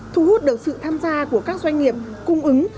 thu hút được sự tham gia của các doanh nghiệp cung ứng